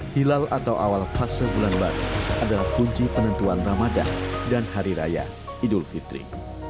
hilal atau awal fase bulan baru adalah kunci penentuan ramadan dan hari raya idul fitri